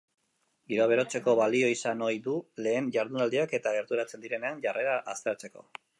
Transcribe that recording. Giroa berotzeko balio izan ohi du lehen jardunaldiak eta gerturatzen direnen jarrera aztertzeko.